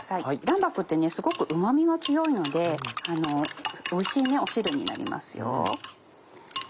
卵白ってすごくうま味が強いのでおいしい汁になりますよ。